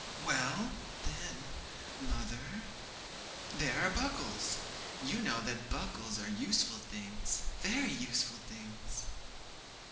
'Well, then, mother, there are buckles; you know that buckles are useful things, very useful things.'